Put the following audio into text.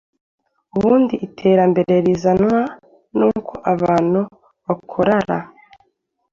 Ubundi iterambere rizanwa n’uko abantu bakorara